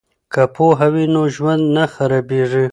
که پوهه وي نو ژوند نه خرابیږي.